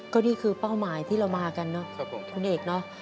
ก็นี่คือเป้าหมายที่เรามากันเนอะคุณเอกเนอะ